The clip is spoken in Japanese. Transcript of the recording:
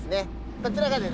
こちらがですね